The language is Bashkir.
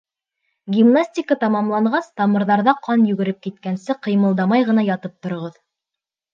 Гиманстика тамамланғас, тамырҙарҙа ҡан йүгереп киткәнсе ҡыймылдамай ғына ятып тороғоҙ.